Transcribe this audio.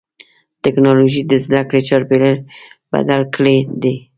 ټکنالوجي د زدهکړې چاپېریال بدل کړی دی.